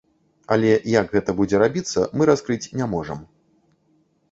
Але як гэта будзе рабіцца, мы раскрыць не можам.